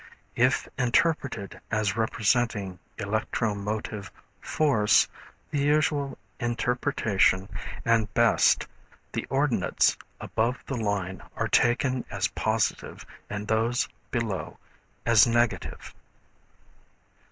If interpreted as representing electro motive force, the usual interpretation and best, the ordinates above the line are taken as positive and those below as negative.